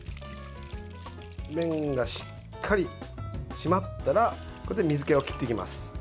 麺がしっかり締まったら水けを切っていきます。